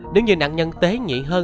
nếu như nạn nhân tế nhị hơn